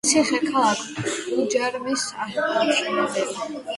ციხე-ქალაქ უჯარმის ამშენებელი.